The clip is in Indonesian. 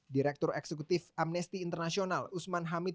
direktur eksekutif amnesty international usman hamid